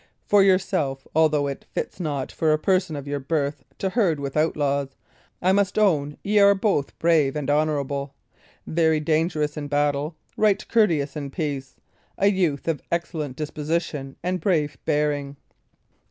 For yourself, although it fits not for a person of your birth to herd with outlaws, I must own ye are both brave and honourable; very dangerous in battle, right courteous in peace; a youth of excellent disposition and brave bearing.